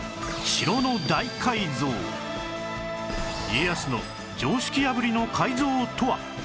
家康の常識破りの改造とは？